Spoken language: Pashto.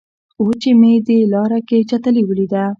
اوس چې مې دې لاره کې چټلي ولیده.